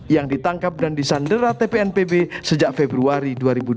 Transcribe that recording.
yang ditangkap dan disandera tpnpb sejak februari dua ribu dua puluh